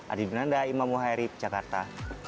adi bin nanda imam muhairib jakarta